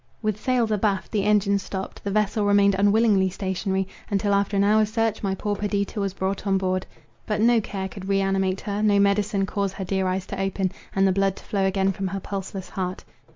With sails abaft, the engine stopt, the vessel remained unwillingly stationary, until, after an hour's search, my poor Perdita was brought on board. But no care could re animate her, no medicine cause her dear eyes to open, and the blood to flow again from her pulseless heart.